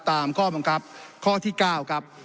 ตามข้อบังคับข้อที่๙ครับ